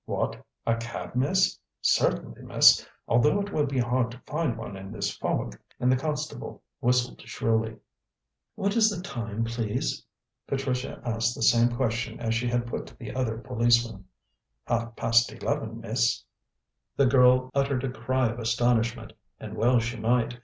"What; a cab, miss? Certainly, miss, although it will be hard to find one in this fog," and the constable whistled shrilly. "What is the time, please?" Patricia asked the same question as she had put to the other policeman. "Half past eleven, miss." The girl uttered a cry of astonishment, and well she might.